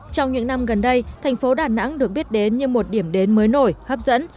trong những năm gần đây thành phố đà nẵng được biết đến như một điểm đến mới nổi hấp dẫn